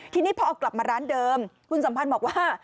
ทีนี้พอเอากลับมาร้านเดิมคุณสัมพันธ์บอกว่า